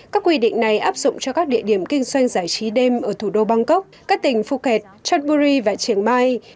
các quy định này áp dụng cho các địa điểm kinh doanh giải trí đêm ở thủ đô bangkok các tỉnh phuket chonburi và chiang mai